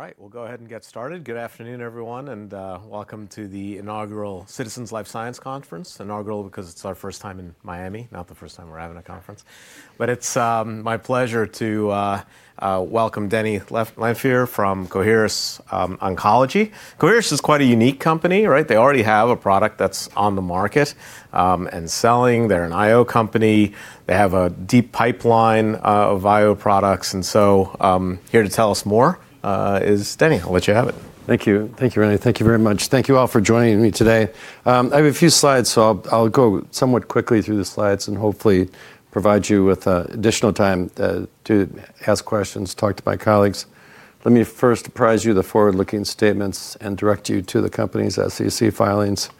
All right, we'll go ahead and get started. Good afternoon, everyone, and welcome to the inaugural Citizens Life Sciences Conference. Inaugural because it's our first time in Miami, not the first time we're having a conference. But it's my pleasure to welcome Denny Lanfear from Coherus Oncology. Coherus is quite a unique company, right? They already have a product that's on the market and selling. They're an IO company. They have a deep pipeline of IO products. Here to tell us more is Denny. I'll let you have it. Thank you. Thank you, Ren. Thank you very much. Thank you all for joining me today. I have a few slides, so I'll go somewhat quickly through the slides and hopefully provide you with additional time to ask questions, talk to my colleagues. Let me first apprise you of the forward-looking statements and direct you to the company's SEC filings.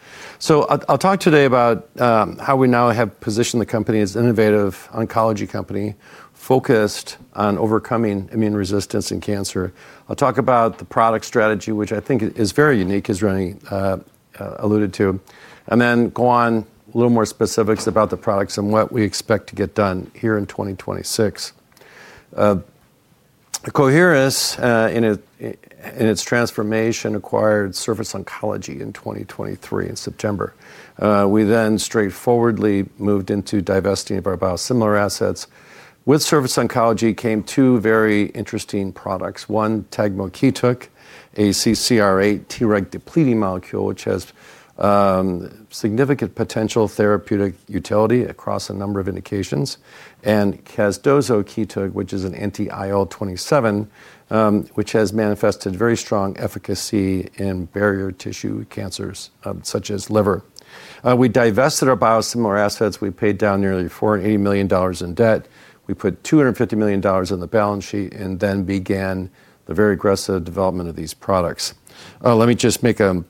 I'll talk today about how we now have positioned the company as an innovative oncology company focused on overcoming immune resistance in cancer. I'll talk about the product strategy, which I think is very unique, as Ronnie alluded to, and then go on a little more specifics about the products and what we expect to get done here in 2026. Coherus in its transformation acquired Surface Oncology in 2023 in September. We straightforwardly moved into divesting of our biosimilar assets. With Surface Oncology came two very interesting products. One, tagmokitug, a CCR8 Treg depleting molecule, which has significant potential therapeutic utility across a number of indications, and casdozokitug, which is an anti-IL-27, which has manifested very strong efficacy in barrier tissue cancers, such as liver. We divested our biosimilar assets. We paid down nearly $480 million in debt. We put $250 million in the balance sheet and then began the very aggressive development of these products. Let me just make one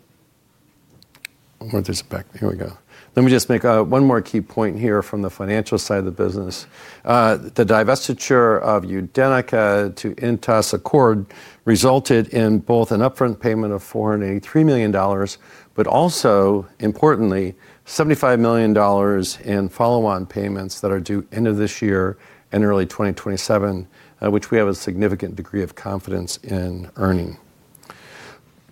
more key point here from the financial side of the business. The divestiture of UDENYCA to Intas resulted in both an upfront payment of $483 million, but also, importantly, $75 million in follow-on payments that are due end of this year and early 2027, which we have a significant degree of confidence in earning.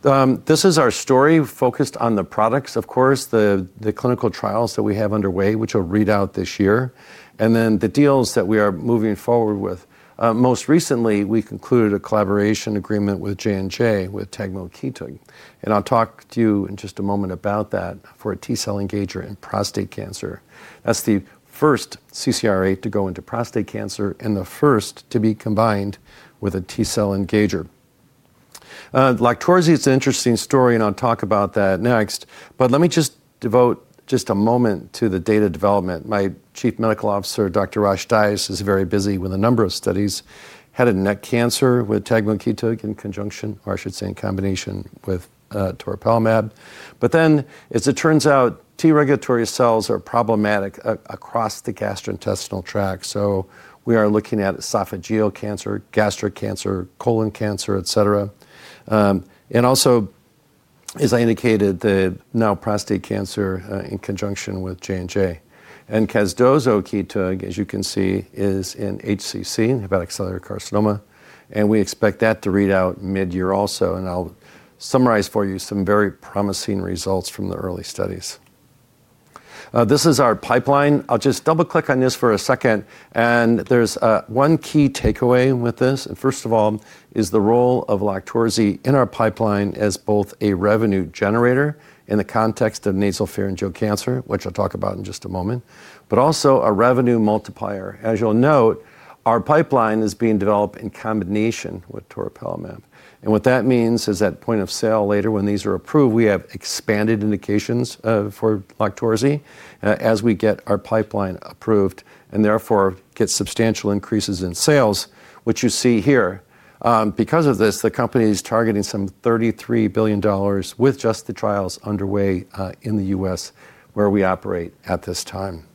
This is our story focused on the products, of course, the clinical trials that we have underway, which will read out this year, and then the deals that we are moving forward with. Most recently, we concluded a collaboration agreement with J&J with tagmokitug, and I'll talk to you in just a moment about that for a T cell engager in prostate cancer. That's the first CCR8 to go into prostate cancer and the first to be combined with a T cell engager. LOQTORZI is an interesting story, and I'll talk about that next. Let me just devote just a moment to the data development. My chief medical officer, Dr. Rosh Dias, is very busy with a number of studies, head and neck cancer with tagmokitug in conjunction, or I should say in combination with, toripalimab. As it turns out, T-regulatory cells are problematic across the gastrointestinal tract. We are looking at esophageal cancer, gastric cancer, colon cancer, et cetera. As I indicated, now prostate cancer in conjunction with J&J. Casdozokitug, as you can see, is in HCC, hepatocellular carcinoma, and we expect that to read out mid-year also. I'll summarize for you some very promising results from the early studies. This is our pipeline. I'll just double-click on this for a second. There's one key takeaway with this. First of all is the role of LOQTORZI in our pipeline as both a revenue generator in the context of nasopharyngeal cancer, which I'll talk about in just a moment, but also a revenue multiplier. As you'll note, our pipeline is being developed in combination with toripalimab. What that means is at point of sale later when these are approved, we have expanded indications for LOQTORZI as we get our pipeline approved and therefore get substantial increases in sales, which you see here. Because of this, the company is targeting some $33 billion with just the trials underway in the U.S., where we operate at this time.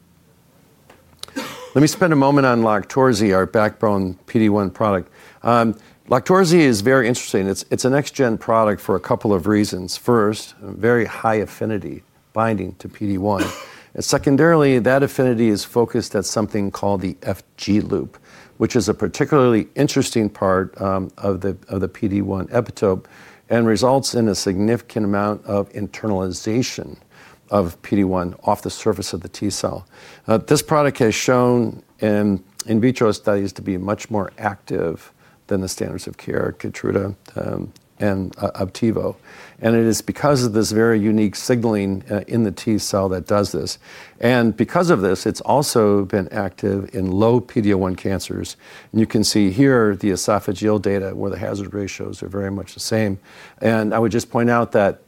Let me spend a moment on LOQTORZI, our backbone PD-1 product. LOQTORZI is very interesting. It's a next-gen product for a couple of reasons. First, very high affinity binding to PD-1. Secondarily, that affinity is focused at something called the FG loop, which is a particularly interesting part of the PD-1 epitope and results in a significant amount of internalization of PD-1 off the surface of the T cell. This product has shown in vitro studies to be much more active than the standards of care, KEYTRUDA, and OPDIVO. It is because of this very unique signaling in the T cell that does this. Because of this, it's also been active in low PD-L1 cancers. You can see here the esophageal data where the hazard ratios are very much the same. I would just point out that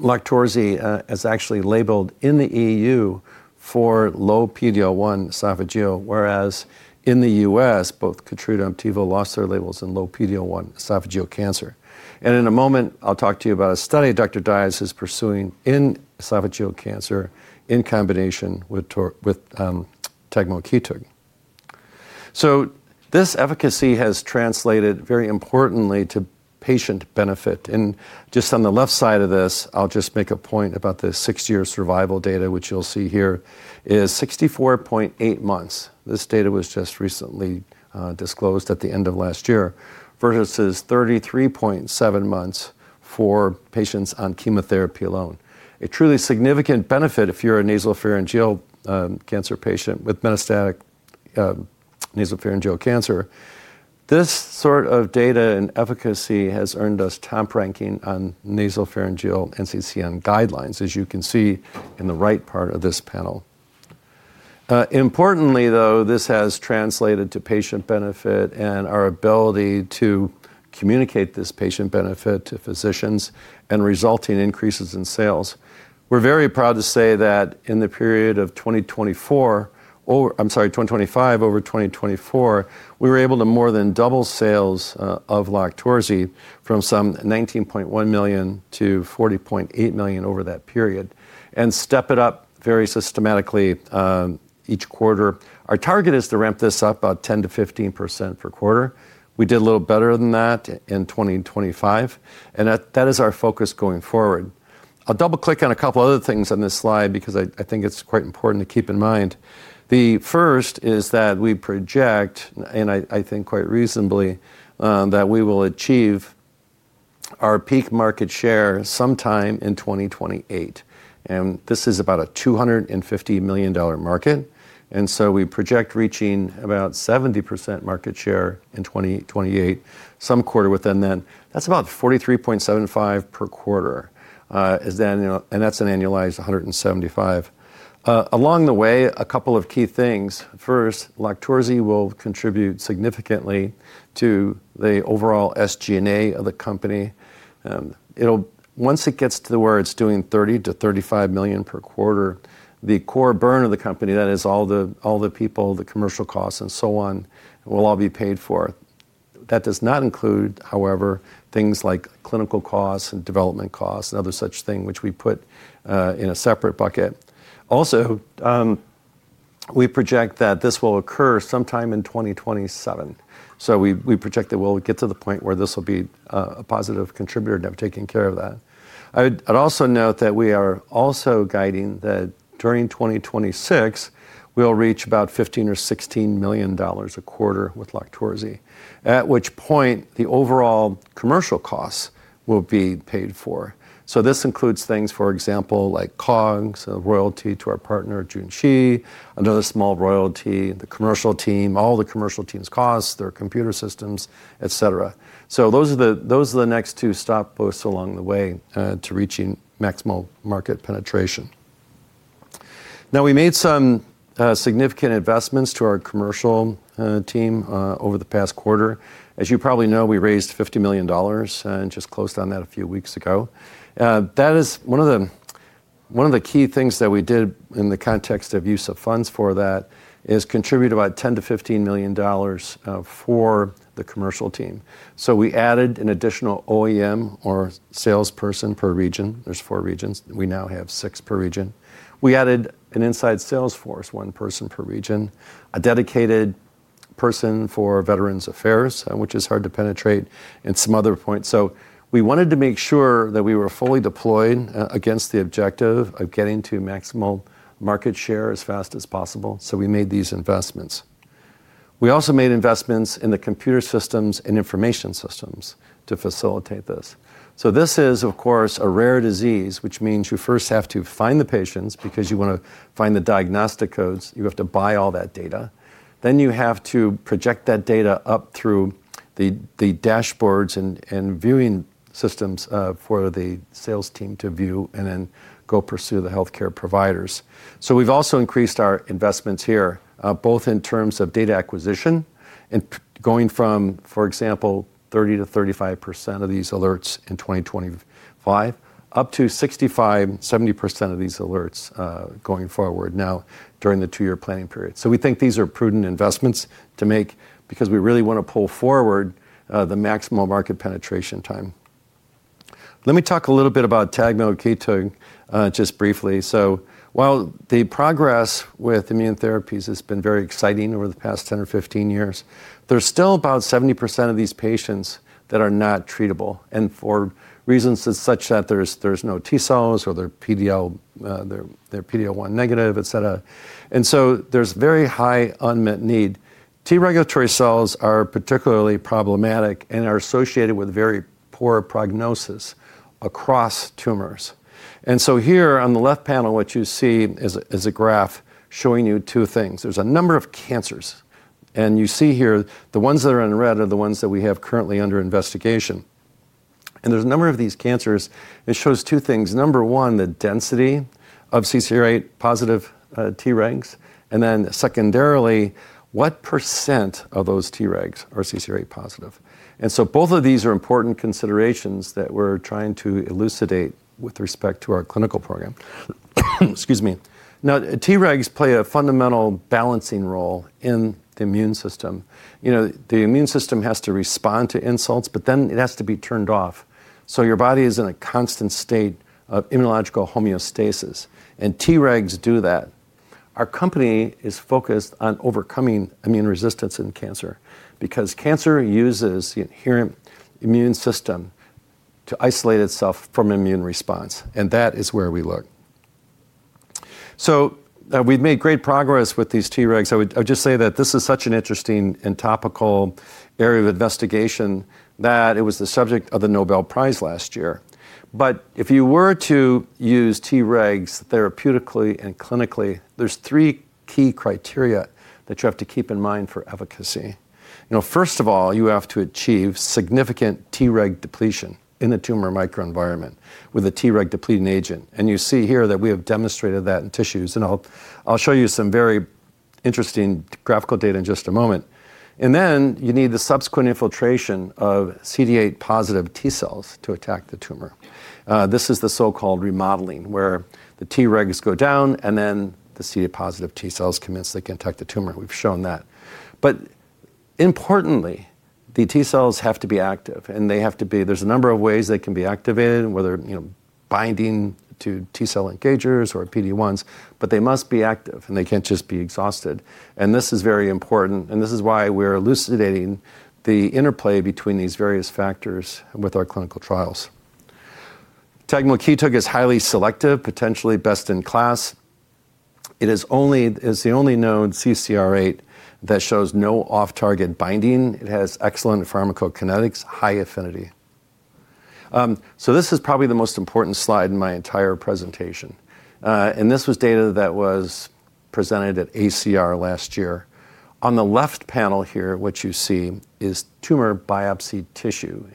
LOQTORZI is actually labeled in the EU for low PD-L1 esophageal, whereas in the US, both KEYTRUDA and OPDIVO lost their labels in low PD-L1 esophageal cancer. In a moment, I'll talk to you about a study Dr. Dias is pursuing in esophageal cancer in combination with Toripalimab with tagmokitug. So this efficacy has translated very importantly to patient benefit. Just on the left side of this, I'll just make a point about the six-year survival data, which you'll see here is 64.8 months. This data was just recently disclosed at the end of last year, versus 33.7 months for patients on chemotherapy alone. A truly significant benefit if you're a nasopharyngeal cancer patient with metastatic nasopharyngeal cancer. This sort of data and efficacy has earned us top ranking on nasopharyngeal NCCN guidelines, as you can see in the right part of this panel. Importantly, though, this has translated to patient benefit and our ability to communicate this patient benefit to physicians and resulting increases in sales. We're very proud to say that in the period of 2025 over 2024, we were able to more than double sales of LOQTORZI from some $19.1 million to $40.8 million over that period and step it up very systematically each quarter. Our target is to ramp this up about 10%-15% per quarter. We did a little better than that in 2025, and that is our focus going forward. I'll double-click on a couple other things on this slide because I think it's quite important to keep in mind. The first is that we project, and I think quite reasonably, that we will achieve our peak market share sometime in 2028, and this is about a $250 million market. We project reaching about 70% market share in 2028, some quarter within then. That's about $43.75 million per quarter, and that's an annualized $175 million. Along the way, a couple of key things. First, LOQTORZI will contribute significantly to the overall SG&A of the company. It'll... Once it gets to where it's doing $30 million-$35 million per quarter, the core burn of the company, that is all the people, the commercial costs, and so on, will all be paid for. That does not include, however, things like clinical costs and development costs and other such thing which we put in a separate bucket. Also, we project that this will occur sometime in 2027. We project that we'll get to the point where this will be a positive contributor to have taken care of that. I'd also note that we are also guiding that during 2026, we'll reach about $15 million-$16 million a quarter with LOQTORZI, at which point the overall commercial costs will be paid for. This includes things, for example, like COGS, a royalty to our partner, Junshi, another small royalty, the commercial team, all the commercial team's costs, their computer systems, et cetera. Those are the next two stop posts along the way to reaching maximal market penetration. Now, we made some significant investments to our commercial team over the past quarter. As you probably know, we raised $50 million and just closed on that a few weeks ago. That is one of the key things that we did in the context of use of funds for that is contribute about $10-$15 million for the commercial team. We added an additional AE or salesperson per region. There are four regions. We now have six per region. We added an inside sales force, one person per region, a dedicated person for Veterans Affairs, which is hard to penetrate, and some other points. We wanted to make sure that we were fully deployed against the objective of getting to maximal market share as fast as possible, so we made these investments. We also made investments in the computer systems and information systems to facilitate this. This is, of course, a rare disease, which means you first have to find the patients because you want to find the diagnostic codes. You have to buy all that data. You have to project that data up through the dashboards and viewing systems for the sales team to view and then go pursue the healthcare providers. We've also increased our investments here, both in terms of data acquisition and going from, for example, 30%-35% of these alerts in 2025, up to 65%-70% of these alerts going forward now during the two-year planning period. We think these are prudent investments to make because we really wanna pull forward the maximal market penetration time. Let me talk a little bit about tagmokitug, just briefly. While the progress with immune therapies has been very exciting over the past 10 or 15 years, there's still about 70% of these patients that are not treatable and for reasons such that there's no T cells or they're PD-L1 negative, et cetera. There's very high unmet need. T-regulatory cells are particularly problematic and are associated with very poor prognosis across tumors. Here on the left panel, what you see is a graph showing you two things. There's a number of cancers, and you see here the ones that are in red are the ones that we have currently under investigation. There's a number of these cancers. It shows two things. Number one, the density of CCR8 positive Tregs, and then secondarily, what % of those Tregs are CCR8 positive. Both of these are important considerations that we're trying to elucidate with respect to our clinical program. Excuse me. Now, Tregs play a fundamental balancing role in the immune system. You know, the immune system has to respond to insults, but then it has to be turned off. So your body is in a constant state of immunological homeostasis, and Tregs do that. Our company is focused on overcoming immune resistance in cancer because cancer uses the inherent immune system to isolate itself from immune response, and that is where we look. So, we've made great progress with these Tregs. I would just say that this is such an interesting and topical area of investigation that it was the subject of the Nobel Prize last year. If you were to use Tregs therapeutically and clinically, there's three key criteria that you have to keep in mind for efficacy. You know, first of all, you have to achieve significant Treg depletion in the tumor microenvironment with a Treg depleting agent, and you see here that we have demonstrated that in tissues. I'll show you some very interesting graphical data in just a moment. Then you need the subsequent infiltration of CD8+ T cells to attack the tumor. This is the so-called remodeling where the Tregs go down and then the CD8+ T cells commence that can attack the tumor. We've shown that. Importantly, the T cells have to be active and they have to be. There's a number of ways they can be activated, whether, you know, binding to T cell engagers or PD-1s, but they must be active, and they can't just be exhausted. This is very important, and this is why we're elucidating the interplay between these various factors with our clinical trials. Tagmokitug is highly selective, potentially best in class. It is only, it's the only known CCR8 that shows no off-target binding. It has excellent pharmacokinetics, high affinity. This is probably the most important slide in my entire presentation. This was data that was presented at AACR last year. On the left panel here, what you see is tumor biopsy tissue.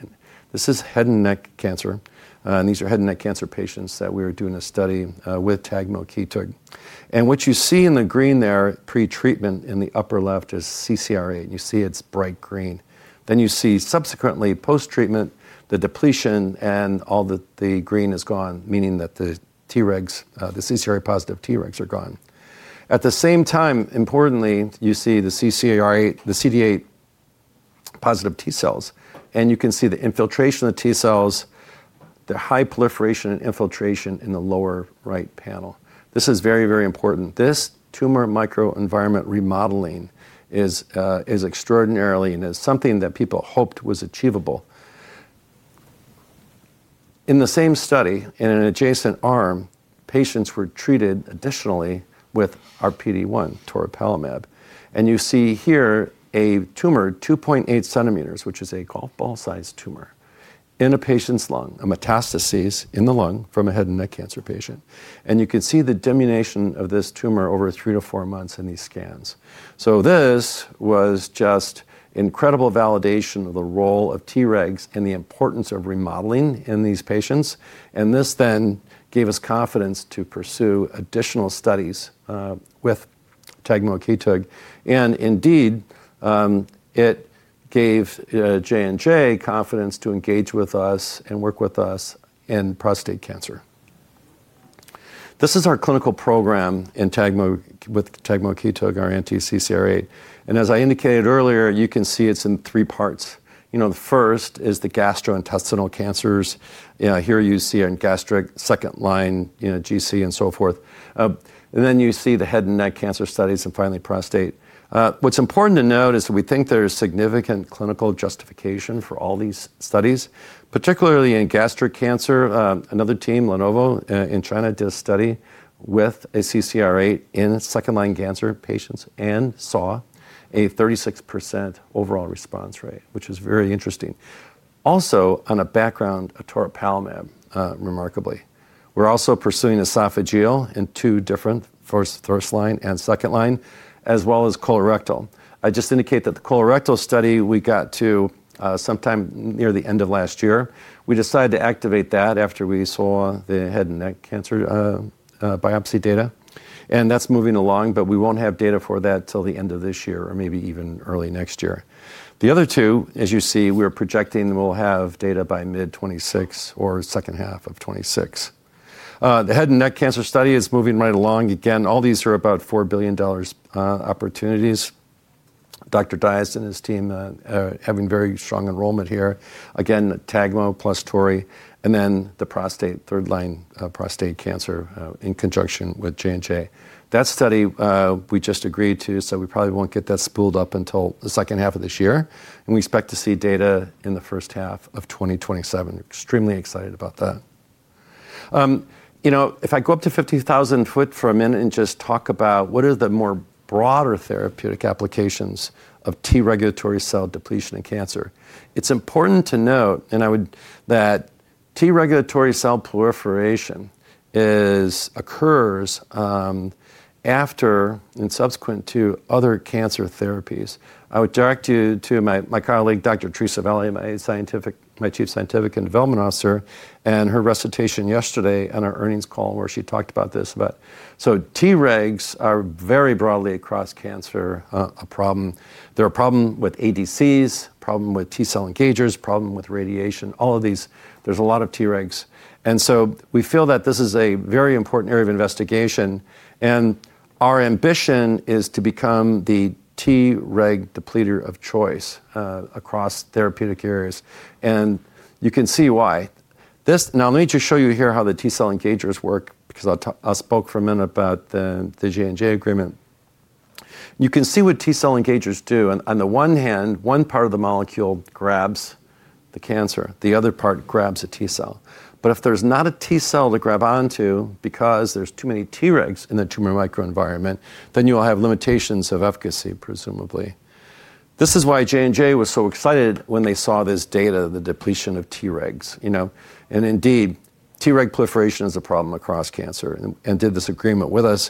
This is head and neck cancer, and these are head and neck cancer patients that we were doing a study with Tagmokitug. What you see in the green there, pretreatment in the upper left is CCR8. You see it's bright green. Then you see subsequently post-treatment, the depletion and all the green is gone, meaning that the Tregs, the CCR8 positive Tregs are gone. At the same time, importantly, you see the CCR8 the CD8+ T cells, and you can see the infiltration of the T cells, the high proliferation and infiltration in the lower right panel. This is very, very important. This tumor microenvironment remodeling is extraordinarily and is something that people hoped was achievable. In the same study, in an adjacent arm, patients were treated additionally with our PD-1, toripalimab. You see here a tumor 2.8 cm which is a golf ball-sized tumor, in a patient's lung, a metastasis in the lung from a head and neck cancer patient. You can see the diminution of this tumor over three to four months in these scans. This was just incredible validation of the role of Tregs and the importance of remodeling in these patients. This then gave us confidence to pursue additional studies with tagmokitug. Indeed, it gave J&J confidence to engage with us and work with us in prostate cancer. This is our clinical program with tagmokitug, our anti-CCR8. As I indicated earlier, you can see it's in three parts. You know, the first is the gastrointestinal cancers. Here you see in gastric second line, you know, GC and so forth. And then you see the head and neck cancer studies and finally prostate. What's important to note is we think there's significant clinical justification for all these studies, particularly in gastric cancer. Another team, Hengrui, in China did a study with a CCR8 in second-line cancer patients and saw a 36% overall response rate, which is very interesting. Also on a background of toripalimab, remarkably. We're also pursuing esophageal in two different, first line and second line, as well as colorectal. I just indicate that the colorectal study we got to sometime near the end of last year. We decided to activate that after we saw the head and neck cancer biopsy data, and that's moving along, but we won't have data for that till the end of this year or maybe even early next year. The other two, as you see, we're projecting we'll have data by mid 2026 or second half of 2026. The head and neck cancer study is moving right along. Again, all these are about $4 billion opportunities. Dr. Dias and his team are having very strong enrollment here. Again, the tagmokitug plus toripalimab and then the prostate, third line, prostate cancer, in conjunction with J&J. That study, we just agreed to, so we probably won't get that spooled up until the second half of this year, and we expect to see data in the first half of 2027. Extremely excited about that. You know, if I go up to 50,000 ft for a minute and just talk about what are the more broader therapeutic applications of T regulatory cell depletion in cancer, it's important to note that T regulatory cell proliferation occurs after and subsequent to other cancer therapies. I would direct you to my colleague, Dr. Theresa LaVallee, my Chief Scientific & Development Officer, and her presentation yesterday on our earnings call where she talked about this. Tregs are very broadly across cancer, a problem. They're a problem with ADCs, problem with T cell engagers, problem with radiation, all of these. There's a lot of Tregs. We feel that this is a very important area of investigation, and our ambition is to become the Treg depleter of choice, across therapeutic areas, and you can see why. Now let me just show you here how the T cell engagers work, because I spoke for a minute about the J&J agreement. You can see what T cell engagers do and on the one hand, one part of the molecule grabs the cancer, the other part grabs a T cell. If there's not a T cell to grab onto because there's too many Tregs in the tumor microenvironment, then you'll have limitations of efficacy, presumably. This is why J&J was so excited when they saw this data, the depletion of Tregs, you know. Indeed, Treg proliferation is a problem across cancer, and did this agreement with us.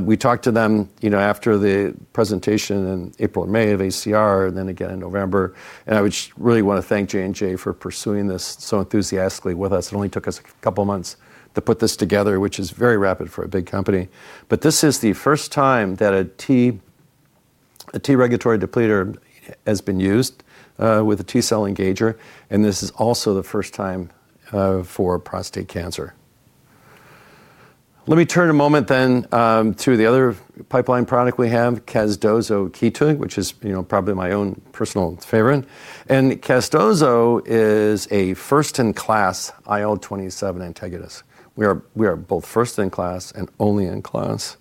We talked to them, you know, after the presentation in April and May of AACR, then again in November, and I would just really want to thank J&J for pursuing this so enthusiastically with us. It only took us a couple of months to put this together, which is very rapid for a big company. This is the first time that a T regulatory depleter has been used with a T cell engager, and this is also the first time for prostate cancer. Let me turn a moment then to the other pipeline product we have, casdozokitug, which is, you know, probably my own personal favorite. CASDO is a first-in-class IL-27 antagonist. We are both first in class and only in class.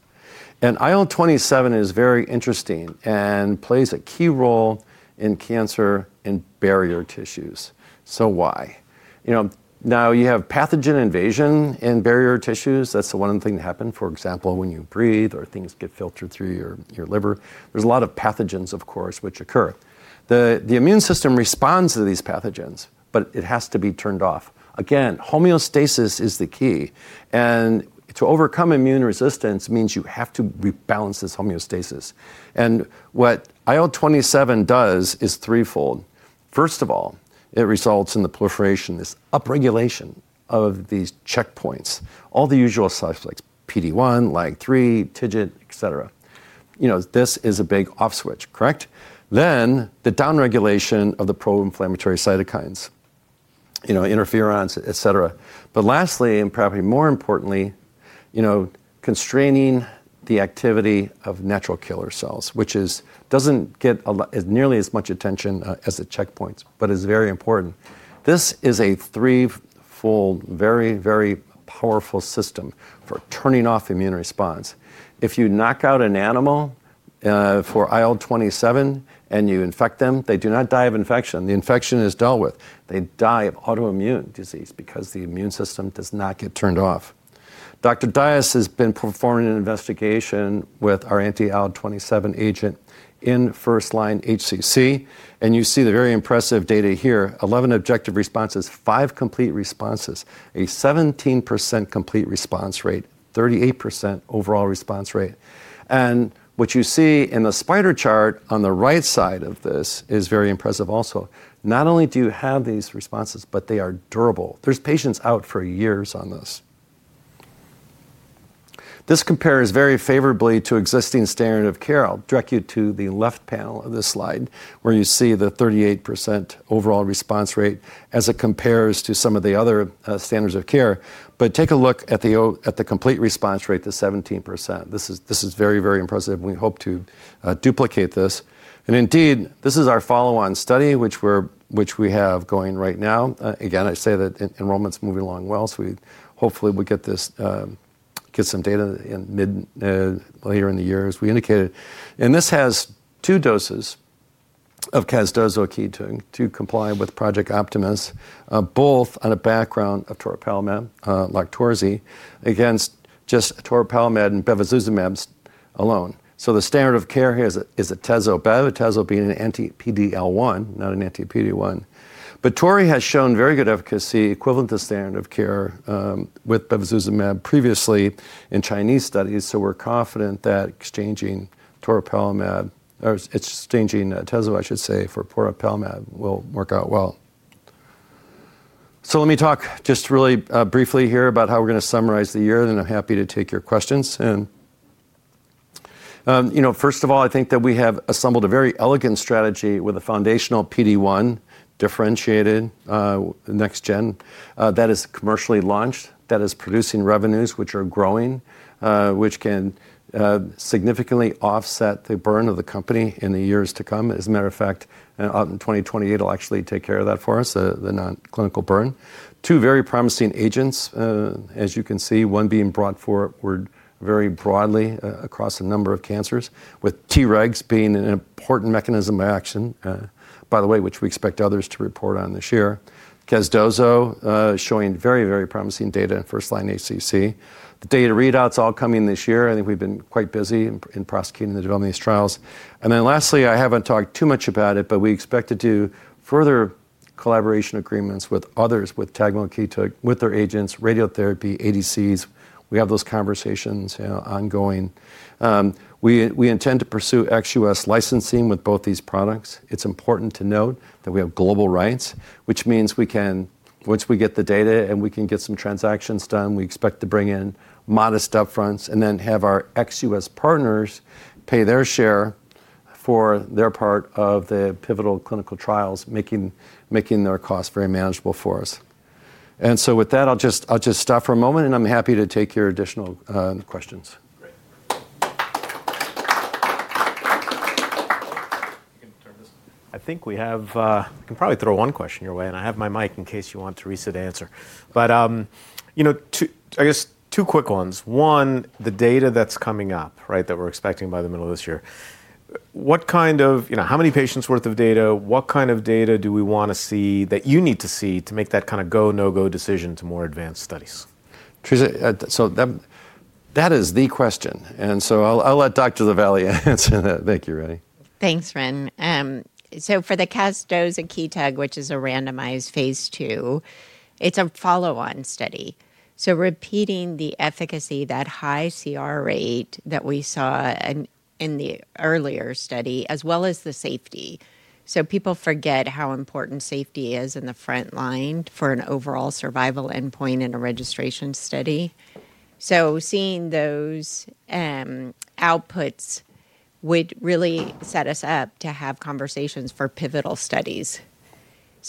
IL-27 is very interesting and plays a key role in cancer and barrier tissues. Why? You know, now you have pathogen invasion in barrier tissues. That's the one thing that happened, for example, when you breathe or things get filtered through your liver. There's a lot of pathogens, of course, which occur. The immune system responds to these pathogens, but it has to be turned off. Again, homeostasis is the key. To overcome immune resistance means you have to rebalance this homeostasis. What IL-27 does is threefold. First of all, it results in the proliferation, this upregulation of these checkpoints, all the usual suspects, PD-1, LAG-3, TIGIT, et cetera. You know, this is a big off switch, correct? The downregulation of the pro-inflammatory cytokines, you know, interferons, et cetera. Lastly, and probably more importantly, you know, constraining the activity of natural killer cells, which doesn't get nearly as much attention as the checkpoints, but is very important. This is a threefold, very, very powerful system for turning off immune response. If you knock out an animal for IL-27 and you infect them, they do not die of infection. The infection is dealt with. They die of autoimmune disease because the immune system does not get turned off. Dr. Dias has been performing an investigation with our anti-IL-27 agent in first-line HCC, and you see the very impressive data here. 11 objective responses, 5 complete responses, a 17% complete response rate, 38% overall response rate. What you see in the spider chart on the right side of this is very impressive also. Not only do you have these responses, but they are durable. There's patients out for years on this. This compares very favorably to existing standard of care. I'll direct you to the left panel of this slide, where you see the 38% overall response rate as it compares to some of the other, standards of care. Take a look at the complete response rate, the 17%. This is very impressive, and we hope to duplicate this. Indeed, this is our follow-on study, which we have going right now. Again, I say that enrollment's moving along well, so we hopefully will get some data later in the year as we indicated. This has two doses of casdozokitug to comply with Project Optimus, both on a background of toripalimab, like Torzi, against just toripalimab and bevacizumab alone. The standard of care here is atezolizumab, bevacizumab being an anti-PD-L1, not an anti-PD-1. Toripalimab has shown very good efficacy equivalent to standard of care with bevacizumab previously in Chinese studies, so we're confident that exchanging toripalimab, or exchanging atezolizumab, I should say, for toripalimab will work out well. Let me talk just really briefly here about how we're going to summarize the year, then I'm happy to take your questions. You know, first of all, I think that we have assembled a very elegant strategy with a foundational PD-1 differentiated, next gen, that is commercially launched, that is producing revenues which are growing, which can significantly offset the burn of the company in the years to come. As a matter of fact, in 2028, it'll actually take care of that for us, the non-clinical burn. Two very promising agents, as you can see, one being brought forward very broadly across a number of cancers, with Tregs being an important mechanism of action, by the way, which we expect others to report on this year. Casdozokitug, showing very, very promising data in first-line HCC. The data readouts all coming this year. I think we've been quite busy in prosecuting the development of these trials. Last, I haven't talked too much about it, but we expect to do further collaboration agreements with others with tagmokitug with their agents, radiotherapy, ADCs. We have those conversations, you know, ongoing. We intend to pursue ex-U.S. licensing with both these products. It's important to note that we have global rights, which means we can once we get the data and we can get some transactions done, we expect to bring in modest upfronts and then have our ex-U.S. partners pay their share for their part of the pivotal clinical trials, making their costs very manageable for us. With that, I'll just stop for a moment, and I'm happy to take your additional questions. I think we have can probably throw one question your way, and I have my mic in case you want Teresa to answer. You know, I guess two quick ones. One, the data that's coming up, right? That we're expecting by the middle of this year. What kind of you know, how many patients worth of data? What kind of data do we wanna see that you need to see to make that kinda go, no-go decision to more advanced studies? Teresa, that is the question, and so I'll let Dr. Lavallee answer that. Thank you, Ren. Thanks, Ren. For the CASDO and KEYTAG, which is a randomized phase II, it's a follow-on study. Repeating the efficacy, that high CR rate that we saw in the earlier study, as well as the safety. People forget how important safety is in the front line for an overall survival endpoint in a registration study. Seeing those outputs would really set us up to have conversations for pivotal studies.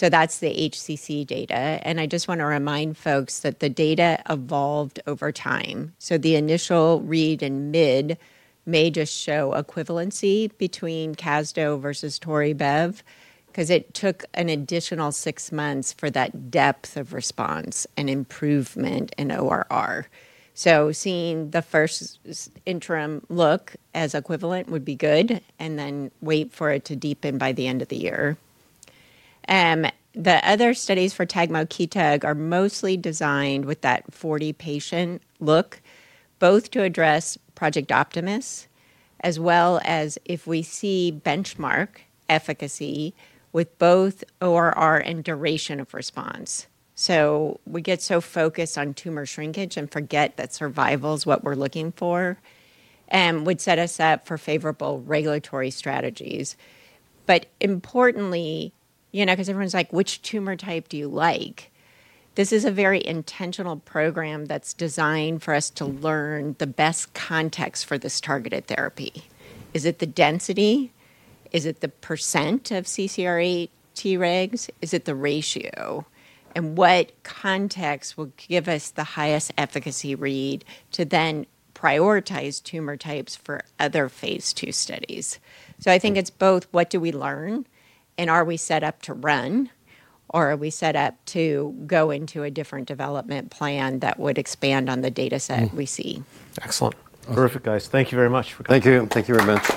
That's the HCC data, and I just wanna remind folks that the data evolved over time. The initial read in mid-May just show equivalency between CASDO versus Tori Bev 'cause it took an additional six months for that depth of response and improvement in ORR. Seeing the first interim look as equivalent would be good and then wait for it to deepen by the end of the year. The other studies for TAGMO/KEYTAG are mostly designed with that 40-patient look, both to address Project Optimus as well as if we see benchmark efficacy with both ORR and duration of response. We get so focused on tumor shrinkage and forget that survival is what we're looking for, would set us up for favorable regulatory strategies. Importantly, you know, 'cause everyone's like, "Which tumor type do you like?" This is a very intentional program that's designed for us to learn the best context for this targeted therapy. Is it the density? Is it the percent of CCR8 T-regs? Is it the ratio? And what context will give us the highest efficacy read to then prioritize tumor types for other phase II studies? I think it's both what do we learn and are we set up to run, or are we set up to go into a different development plan that would expand on the data set we see? Excellent. Terrific, guys. Thank you very much for coming. Thank you. Thank you very much.